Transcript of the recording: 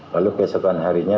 lalu keesokan harinya